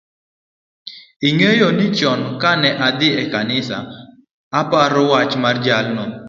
ing'eyo ni chon ka na dhi e kanisa aparo wach mar jalno